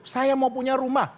saya mau punya rumah